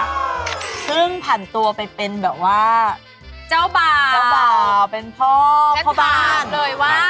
เครื่องผ่านตัวไปเป็นแบบว่า